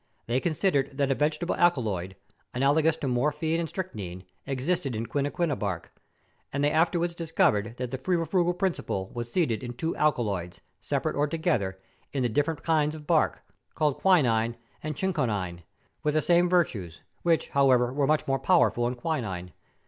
They considered that a vegetable alkaloid, analogous to morphine and strychnine, existed in quinquina bark ; and they afterwards discovered that the febri¬ fugal principle was seated in two alkaloids, separate DISCOVERY OF PERUVIAN BARK. 309 or together, in the different kinds of bark, called quinine and chinchonine, with the same virtues, which, however, were much more powerful in qui¬ nine.